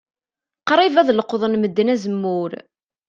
Qrib ad leqḍen medden azemmur.